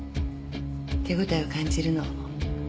手応えを感じるの。